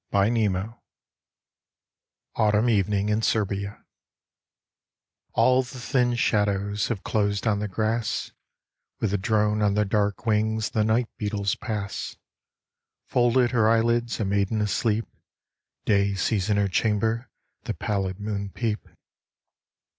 IN SERBIA AUTUMN EVENING IN SERBIA All the thin shadows Have closed on the grass. With the drone on their dark wings The night beetles pass. Folded her eyelids, A maiden asleep, Day sees in her chamber The pallid moon peep.